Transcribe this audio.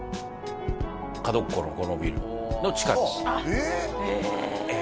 角っこのこのビルの地下ですえ？